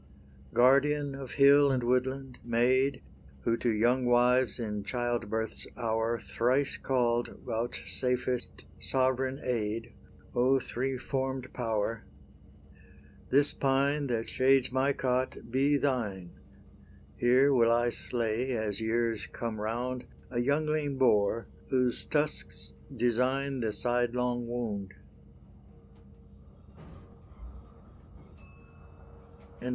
Guardian of hill and woodland, Maid, Who to young wives in childbirth's hour Thrice call'd, vouchsafest sovereign aid, O three form'd power! This pine that shades my cot be thine; Here will I slay, as years come round, A youngling boar, whose tusks design The side long wound. XXIII.